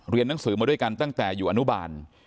หนังสือมาด้วยกันตั้งแต่อยู่อนุบาล